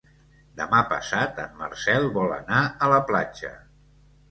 Demà passat en Marcel vol anar a la platja.